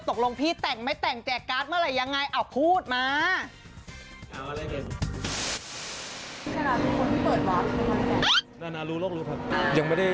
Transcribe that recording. ตกลงพี่แต่งแต่งแต่งตรงแบบังอย่างไรยังไง